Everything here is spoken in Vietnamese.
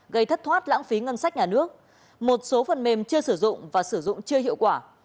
gây thất thoát lãng phí ngân sách nhà nước một số phần mềm chưa sử dụng và sử dụng chưa hiệu quả